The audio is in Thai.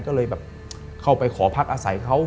ก็เลยแบบเข้าไปขอพักอาศัยเขา